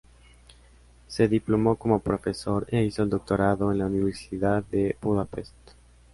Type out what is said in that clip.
Se diplomó como profesor e hizo el doctorado en la Universidad de Budapest.